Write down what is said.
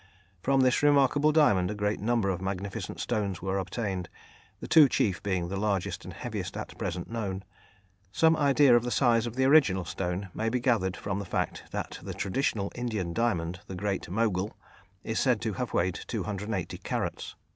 From this remarkable diamond a great number of magnificent stones were obtained, the two chief being the largest and heaviest at present known. Some idea of the size of the original stone may be gathered from the fact that the traditional Indian diamond, the "Great Mogul," is said to have weighed 280 carats.